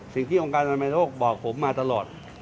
สิ่งที่องค์การอนามัยโรคบอกผมมาตลอด